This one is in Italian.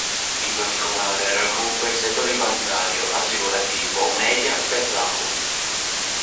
In particolare raggruppa i settori bancario, assicurativo, media, spettacolo.